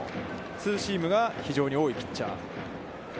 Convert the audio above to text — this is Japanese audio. ツーシームが非常に多いピッチャー。